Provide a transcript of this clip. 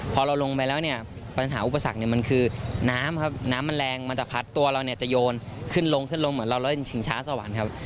พอเราลงไปแล้วเนี่ยปัญหาอุปสรรคเนี่ยมันคือน้ำครับน้ำมันแรงมันจะพัดตัวเราเนี่ยจะโยนขึ้นลงขึ้นลงเหมือนเราแล้วชิงช้าสวรรค์ครับ